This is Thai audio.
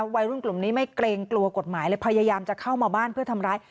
วัยรุ่นกลุ่มนี้ไม่เกรงกลัวกฎหมายเลยพยายามจะเข้ามาบ้านเพื่อทำร้าย